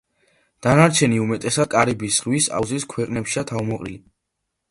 დანარჩენი უმეტესად კარიბის ზღვის აუზის ქვეყნებშია თავმოყრილი.